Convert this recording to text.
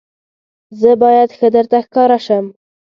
زه باید ښه درته ښکاره شم.